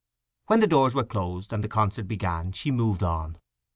When the doors were closed, and the concert began, she moved on.